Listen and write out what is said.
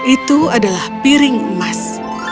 itu adalah piring emas